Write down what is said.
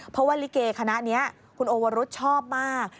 เพราะว่าลิเกคณะนี้คุณโอวรุธชอบมาก